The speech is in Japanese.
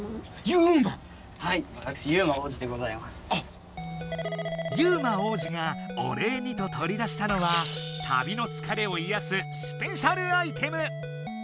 ユウマ王子がお礼にと取り出したのは旅のつかれをいやすスペシャルアイテム。